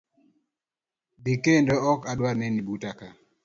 Dhi kendo okadwar neni buta ka.